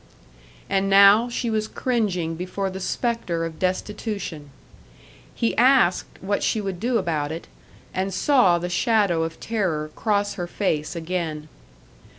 And now she was cringing before the spectre of destitution. He asked what she would do about it, and saw the shadow of terror cross her face again.